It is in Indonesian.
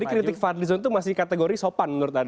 jadi kritik fadli zo itu masih kategori sopan menurut anda